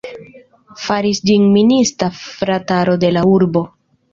Faris ĝin minista frataro de la urbo.